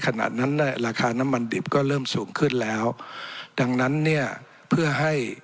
ขณะนั้นเนี่ยราคาน้ำมันดิบก็เริ่มสูงขึ้นแล้วดังนั้นเนี่ยเพื่อให้